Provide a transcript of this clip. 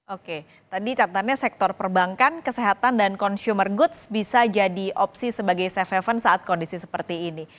oke tadi catatannya sektor perbankan kesehatan dan consumer goods bisa jadi opsi sebagai safe haven saat kondisi seperti ini